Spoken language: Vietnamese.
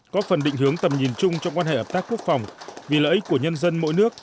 có phần định hướng tầm nhìn chung trong quan hệ hợp tác quốc phòng vì lợi ích của nhân dân mỗi nước